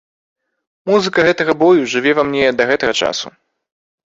Музыка гэтага бою жыве ва мне да гэтага часу!